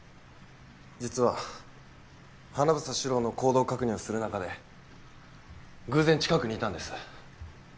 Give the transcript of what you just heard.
実は英獅郎の行動確認をする中で偶然近くにいたんです。